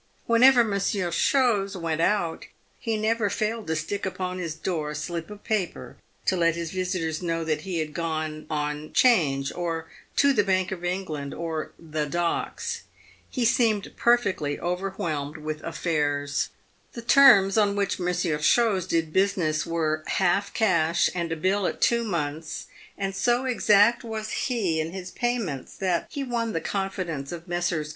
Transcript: "Whenever Mon sieur Chose went out, he never failed to stick upon his door a slip of paper to let his visitors know that he had gone " on 'Change," or to " the Bank of England," or " the Docks." He seemed perfectly over whelmed with affairs. The terms on which Monsieur Chose did business were half cash, and a bill at two months, and so exact was he in his payments, that he won the confidence of Messrs.